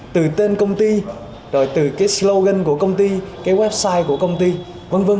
từ tên công ty rồi từ cái slogan của công ty cái website của công ty v v